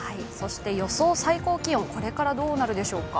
予想最高気温、これからどうなるでしょうか？